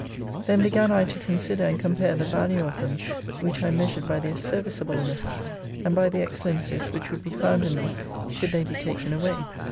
Then began I to consider and compare the value of them which I measured by their serviceableness, and by the excellencies v/hich would be found in them, should they be taken away.